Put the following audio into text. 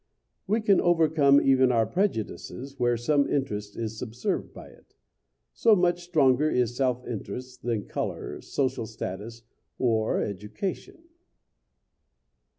We can overcome even our prejudices where some interest is subserved by it. So much stronger is self interest than color, social status, or education.